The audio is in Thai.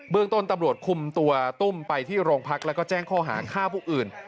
เรื่องต้นตำรวจคุมตัวตุ้มไปที่โรงพักแล้วก็แจ้งข้อหาฆ่าผู้อื่น